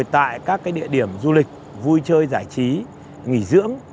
tại các địa điểm du lịch vui chơi giải trí nghỉ dưỡng